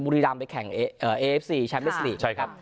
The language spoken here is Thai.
มุรีรัมไปแข่งเอเอเอฟซีแชมป์เล็กซีใช่ครับ